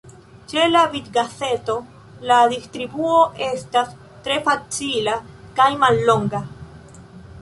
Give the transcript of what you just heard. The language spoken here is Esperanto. Ĉe la bitgazeto la distribuo estas tre facila kaj mallonga.